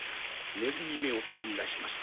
ネズミめを取り逃がしました。